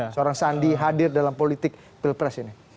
seorang sandi hadir dalam politik pilpres ini